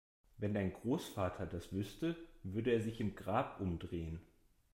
Wenn dein Großvater das wüsste, würde er sich im Grab umdrehen!